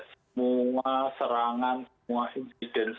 semua serangan semua insiden